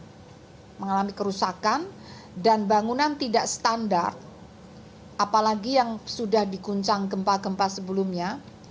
dapat mengalami rusak sedang dan bangunan tidak standar apalagi yang sudah dikuncang gempa gempa sebelumnya